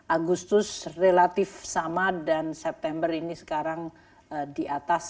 agustus relatif sama dan september ini sekarang di atas